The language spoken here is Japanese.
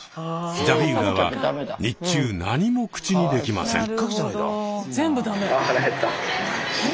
ザビウラは日中何も口にできません。